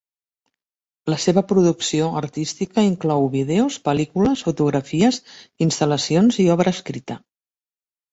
La seva producció artística inclou vídeos, pel·lícules, fotografies, instal·lacions i obra escrita.